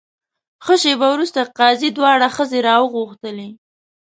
ښه شېبه وروسته قاضي دواړه ښځې راوغوښتلې.